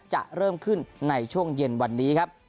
จะเริ่มขึ้นในช่วงเย็นวันนี้ครับ